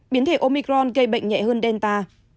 biến thể omicron gây bệnh nhẹ hơn delta